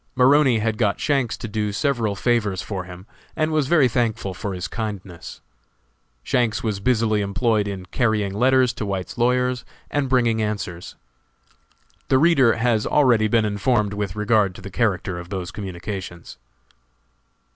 Maroney had got Shanks to do several favors for him, and was very thankful for his kindness. Shanks was busily employed in carrying letters to White's lawyers, and bringing answers. The reader has already been informed with regard to the character of those communications.